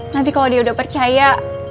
nanti kalau dia udah percaya